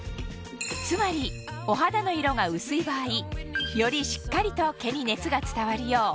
つまりお肌の色が薄い場合よりしっかりと毛に熱が伝わるよう強めに照射